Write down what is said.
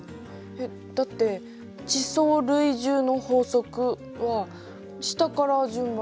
えっだって「地層累重の法則」は下から順番だって。